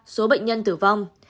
ba số bệnh nhân tử vong